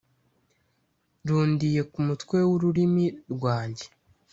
Rundiye ku mutwe w’ururimi rwanjye